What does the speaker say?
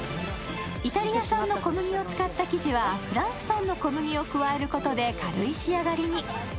イタリア産の小麦を使った生地はフランスパンの小麦を加えることで軽い仕上がりに。